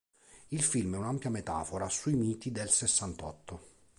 Il film è un'ampia" metafora sui miti del Sessantotto.